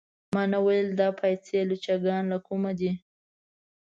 ما نه ویل دا پايي لچکان له کومه دي.